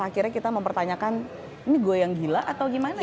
akhirnya kita mempertanyakan ini gua yang gila atau gimana